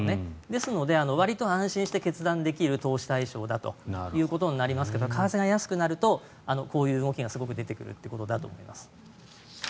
ですのでわりと安心して決断できる投資対象だとなりますけど為替が安くなるとこういう動きがすごく出てくるということだと思います。